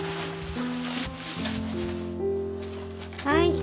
はい。